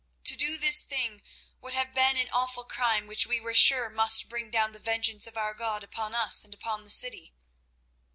To do this thing would have been an awful crime, which we were sure must bring down the vengeance of our God upon us and upon the city."